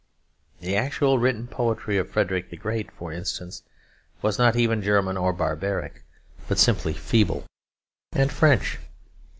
The actual written poetry of Frederick the Great, for instance, was not even German or barbaric, but simply feeble and French.